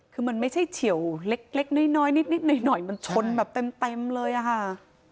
คือมันไม่ใช่เฉียวเล็กน้อยนิดหน่อยมันชนแบบเต็มเลยอะค่ะ